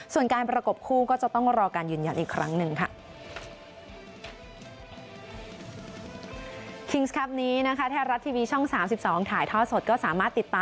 ส่วนการประกบคู่ก็จะต้องรอการยืนยันอีกครั้งหนึ่งค่ะ